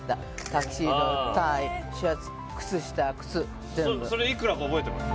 タキシードタイシャツ靴下靴全部それいくらか覚えてます？